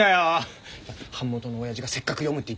版元のおやじがせっかく読むって言ってくれたんだ。